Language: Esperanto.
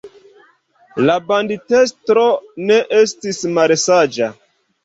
La banditestro ne estis malsaĝa.